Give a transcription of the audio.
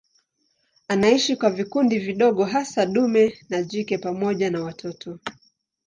Anaishi kwa vikundi vidogo hasa dume na jike pamoja na watoto.